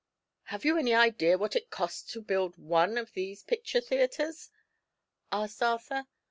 "Have you any idea what it costs to build one of these picture theatres?" asked Arthur.